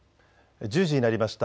１０時になりました。